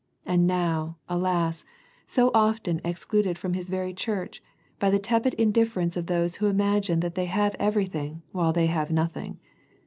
And now, alas, so often excluded from His very Church by the tepid indifference of those who imagine that they have everything while they have nothing.